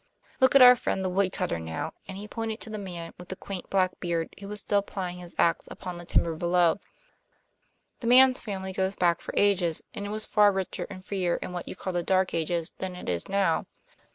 Look at our friend the woodcutter now." And he pointed to the man with the quaint black beard, who was still plying his ax upon the timber below. "That man's family goes back for ages, and it was far richer and freer in what you call the Dark Ages than it is now.